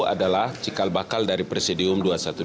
adalah cikal bakal dari presidium dua ratus dua belas